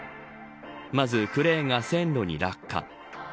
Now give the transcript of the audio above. まずクレーンが線路に落下。